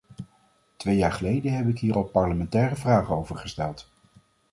Twee jaar geleden heb ik hier al parlementaire vragen over gesteld.